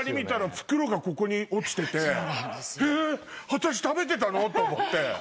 私食べてたの⁉と思って。